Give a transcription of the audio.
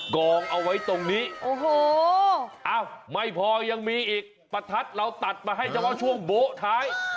กองเอาไว้ตรงนี้โอ้โหอ้าวไม่พอยังมีอีกประทัดเราตัดมาให้เฉพาะช่วงโบ๊ะท้าย